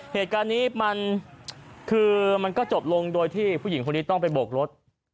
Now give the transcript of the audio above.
เหตุการณ์นี้มันคือมันก็จบลงโดยที่ผู้หญิงคนนี้ต้องไปโบกรถ